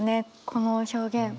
この表現。